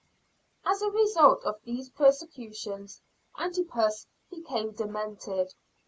As a result of these persecutions, Antipas became demented.